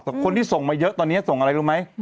แต่คนที่ส่งมาเยอะตอนนี้ส่งอะไรรู้ไหม